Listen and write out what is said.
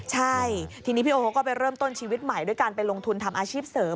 ใช่ทีนี้พี่โอเขาก็ไปเริ่มต้นชีวิตใหม่ด้วยการไปลงทุนทำอาชีพเสริม